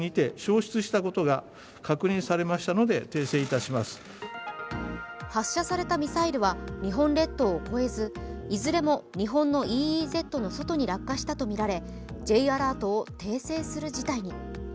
ところが発射されたミサイルは日本列島を越えずいずれも日本のＥＥＺの外に落下したとみられＪアラートを訂正する事態に。